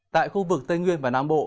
tại khu vực tây nguyên và nam bộ